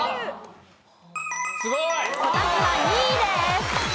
すごい！こたつは２位です。